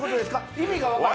意味が分からん。